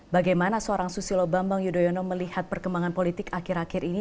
bagaimana seorang susilo bambang yudhoyono melihat perkembangan politik akhir akhir ini